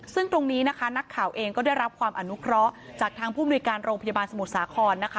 ซึ่งตรงนี้นะคะนักข่าวเองก็ได้รับความอนุเคราะห์จากทางผู้มนุยการโรงพยาบาลสมุทรสาครนะคะ